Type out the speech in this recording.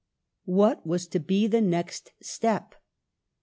What was to be the next step